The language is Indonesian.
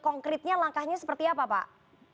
konkretnya langkahnya seperti apa pak